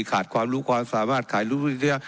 ขาดความรู้ความสามารถขายรูปธุรกิจเลือร์